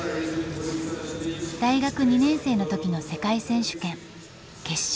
大学２年生の時の世界選手権決勝。